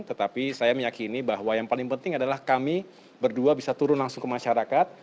tetapi saya meyakini bahwa yang paling penting adalah kami berdua bisa turun langsung ke masyarakat